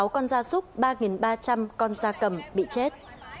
một mươi sáu con da súc ba ba trăm linh con da cầm bị chết